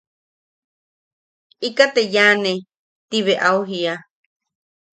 –Ikaʼa te yaʼane– Ti bea au jiia.